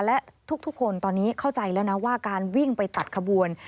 และทุกคนตอนนี้เข้าใจแล้วนะว่าการวิ่งไปตัดขบวน